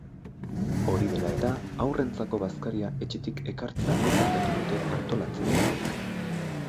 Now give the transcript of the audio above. Hori dela eta, haurrentzako bazkaria etxetik ekartzea gomendatu dute antolatzaileek.